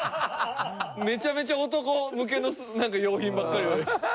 めちゃめちゃ男向けの用品ばっかり。